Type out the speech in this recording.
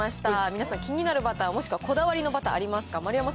皆さん、気になるバター、もしくはこだわりのバターありますか？